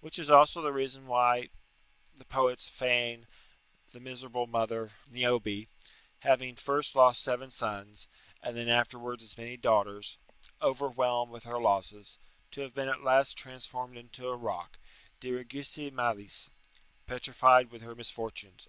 Which is also the reason why the poets feign the miserable mother, Niobe, having first lost seven sons, and then afterwards as many daughters (overwhelmed with her losses), to have been at last transformed into a rock "Diriguisse malis," ["Petrified with her misfortunes."